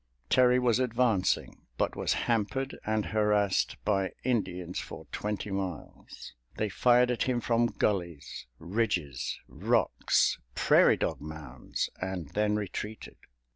Terry was advancing, but was hampered and harassed by Indians for twenty miles. They fired at him from gullies, ridges, rocks, prairie dog mounds, and then retreated.